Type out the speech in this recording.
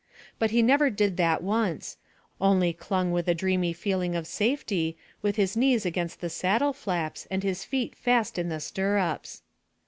But he never did that once, only clung with a dreamy feeling of safety, with his knees against the saddle flaps and his feet fast in the stirrups.